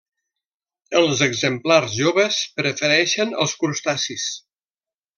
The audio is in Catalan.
Els exemplars joves prefereixen els crustacis.